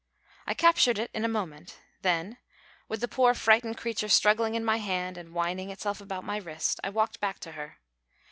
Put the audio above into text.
I captured it in a moment; then, with the poor frightened creature struggling in my hand and winding itself about my wrist, I walked back to her.